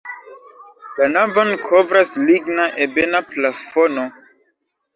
La navon kovras ligna ebena plafono.